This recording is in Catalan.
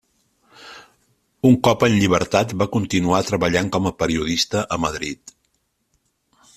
Un cop en llibertat va continuar treballant com a periodista a Madrid.